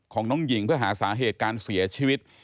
ของน้องหญิงเพื่อหาสาเหตุการเสียชีวิต